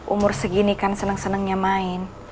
umur segini kan seneng senengnya main